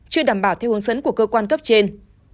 chưa đảm bảo theo hướng dẫn của cơ quan cấp trên